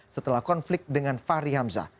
setelah konflik dengan fahri hamzah